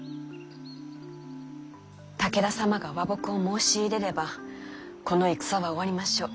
武田様が和睦を申し入れればこの戦は終わりましょう。